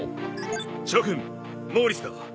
諸君モーリスだ。